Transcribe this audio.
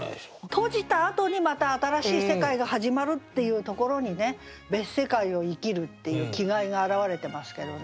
閉じたあとにまた新しい世界が始まるっていうところにね別世界を生きるっていう気概が表れてますけどね。